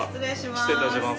失礼いたします。